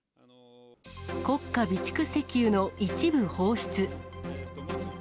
国家備蓄石油の一部放出。